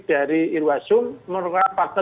dari irwasung merupakan partner